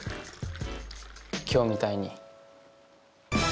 今日みたいに。